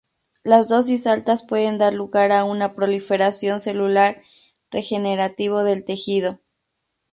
Las dosis altas pueden dar lugar a una proliferación celular regenerativo del tejido.